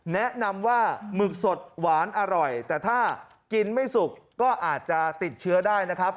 แนะนำว่าหมึกสดหวานอร่อยแต่ถ้ากินไม่สุกก็อาจจะติดเชื้อได้นะครับ